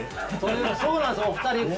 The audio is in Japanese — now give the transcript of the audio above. そうなんですお二人。